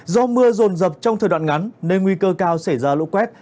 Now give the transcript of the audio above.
do mưa rồn rập trong thời đoạn ngắn nên nguy cơ cao xảy ra lũ quét